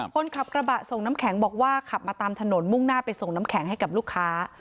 คนขับกระบะส่งน้ำแข็งบอกว่าขับมาตามถนนมุ่งหน้าไปส่งน้ำแข็งให้กับลูกค้า